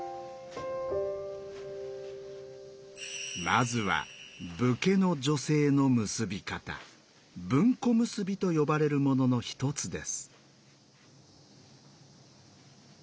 まずは武家の女性の結び方「文庫結び」と呼ばれるものの一つです。